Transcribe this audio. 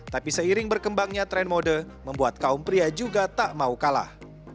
tapi seiring berkembangnya tren mode membuat kaum pria juga tak mau kalah